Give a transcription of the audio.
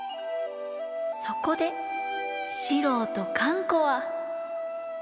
そこで四郎とかん子は。